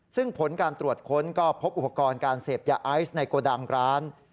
ซึ่งผลการตรวจค้นก็พบอุปกรณ์การเสพยาไอซ์ในโกดังร้าน